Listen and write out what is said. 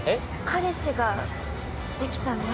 彼氏ができたんだ。